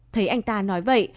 thấy anh ta nói vậy